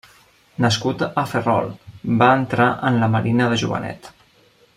Nascut a Ferrol, va entrar en la Marina de jovenet.